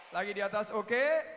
lagi di atas ok